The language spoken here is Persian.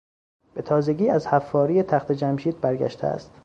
به تازگی از حفاری تخت جمشید برگشته است.